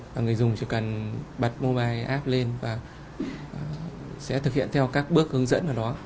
và người dùng chỉ cần đặt mobile app lên và sẽ thực hiện theo các bước hướng dẫn của nó